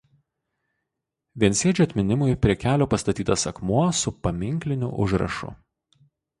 Viensėdžio atminimui prie kelio pastatytas akmuo su paminkliniu užrašu.